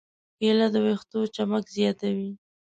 کېله د ویښتو چمک زیاتوي.